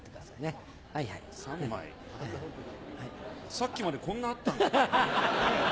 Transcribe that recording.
さっきまでこんなあったのに。